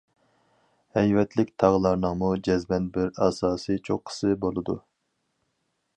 ھەيۋەتلىك تاغلارنىڭمۇ جەزمەن بىر ئاساسىي چوققىسى بولىدۇ.